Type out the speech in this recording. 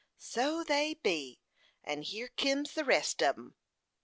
"So they be; and hyer kims the rest on 'em."